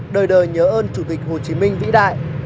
đời đời nhớ ơn chủ tịch hồ chí minh vĩ đại